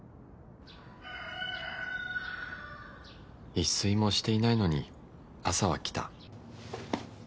一睡もしていないのに朝は来た